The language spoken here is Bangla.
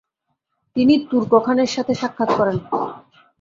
তিনি তুর্ক খানের সাথে সাক্ষাৎ করেন।